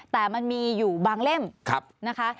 แต่มันมีอยู่บางเล่มนะคะ